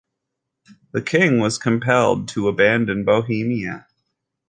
The king was compelled to abandon Bohemia.